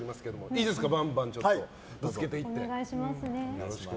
いいですかバンバンぶつけていって。